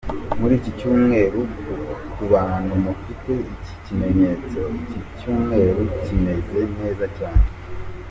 Muri iki cyumweru: ku bantu mufite iki kimenyetso, iki cyumweru kimeze neza cyane.